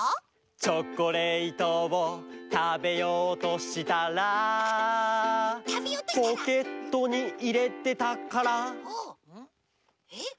チョコレートをたべようとしたらポケットにいれてたからえっ？